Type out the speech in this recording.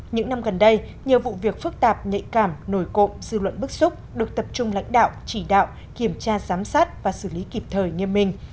những năm gần đây nhiều vụ việc phức tạp nhạy cảm nổi cộng dư luận bức xúc được tập trung lãnh đạo chỉ đạo kiểm tra giám sát và xử lý kịp thời nghiêm minh